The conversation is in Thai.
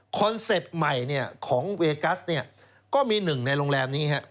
เซ็ปต์ใหม่ของเวกัสเนี่ยก็มีหนึ่งในโรงแรมนี้